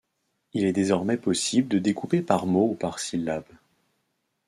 Il est désormais possible de découper par mots ou par syllabes.